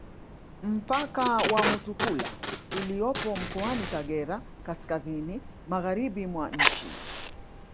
Mpaka wa Mutukula uliopo mkoani Kagera kaskazini magharibi mwa nchi